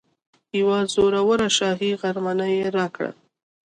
یوه زوروره شاهي غرمنۍ راکړه.